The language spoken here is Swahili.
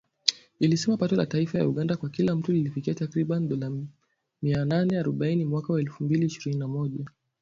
ilisema pato la taifa la Uganda kwa kila mtu lilifikia takriban dola mia nane arobaini mwaka wa elfu mbili ishirini na moja.